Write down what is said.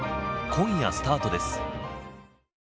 今夜スタートです。